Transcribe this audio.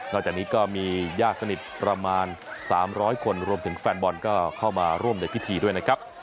จากนี้ก็มีญาติสนิทประมาณ๓๐๐คนรวมถึงแฟนบอลก็เข้ามาร่วมในพิธีด้วยนะครับ